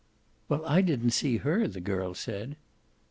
"Well, I didn't see her," the girl said.